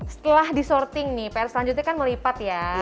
setelah disorting nih pr selanjutnya kan melipat ya